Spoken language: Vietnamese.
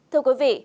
thưa quý vị